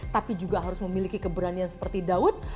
tapi juga harus memiliki keberanian seperti daud